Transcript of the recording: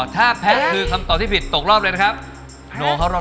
ถ้าแพทย์คือคำตอบที่ผิดตกรอบเลยนะครับ